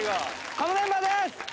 このメンバーです。